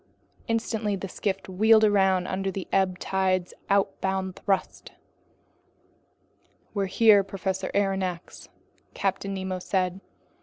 Instantly the skiff wheeled around under the ebb tide's outbound thrust. "Here we are, Professor Aronnax," Captain Nemo then said.